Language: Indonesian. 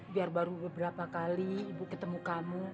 biar baru beberapa kali ibu ketemu kamu